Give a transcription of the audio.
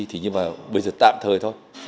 thì nhưng mà bây giờ tạm thời thôi